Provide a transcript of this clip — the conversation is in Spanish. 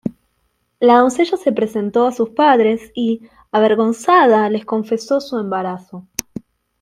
La doncella se presentó a sus padres y, avergonzada, les confesó su embarazo.